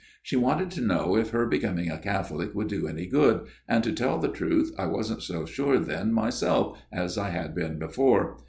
She wanted to know if her becoming a Catholic would do any good, and to tell the truth I wasn't so sure then myself as I had been before.